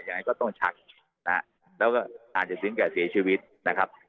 ยังไงก็ต้องชักแล้วก็อาจจะสิ้นแก่เสียชีวิตนะครับ